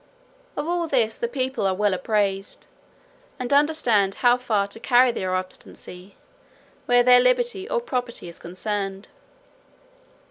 Of all this the people are well apprised, and understand how far to carry their obstinacy, where their liberty or property is concerned.